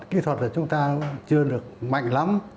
kỹ thuật là chúng ta chưa được mạnh lắm